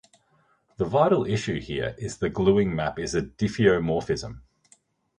The vital issue here is that the gluing map is a diffeomorphism.